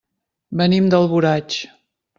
Venim d'Alboraig.